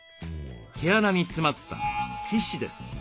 毛穴に詰まった皮脂です。